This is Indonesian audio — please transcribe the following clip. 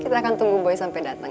kita akan tunggu boy sampai dateng ya